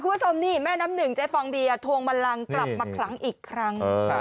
คุณผู้ชมนี่แม่น้ำหนึ่งเจ๊ฟองเบียร์ทวงบันลังกลับมาครั้งอีกครั้ง